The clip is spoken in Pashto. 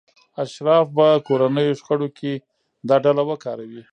اشراف به کورنیو شخړو کې دا ډله وکاروي.